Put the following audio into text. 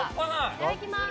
いただきます！